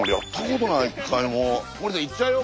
森田さん行っちゃうよ